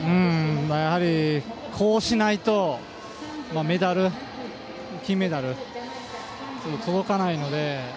やはりこうしないとメダル、金メダルには届かないので。